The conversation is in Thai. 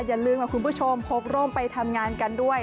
อย่าลืมค่ะคุณผู้ชมพกร่มไปทำงานกันด้วย